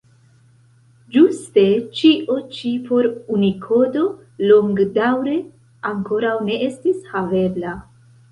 Ĝuste ĉio ĉi por Unikodo longdaŭre ankoraŭ ne estis havebla.